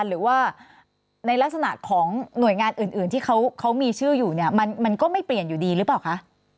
หรือว่าในลักษณะของหน่วยงานอื่นที่เขามีชื่ออยู่เนี่ยมันก็ไม่เปลี่ยนอยู่ดีหรือเปล่าคะ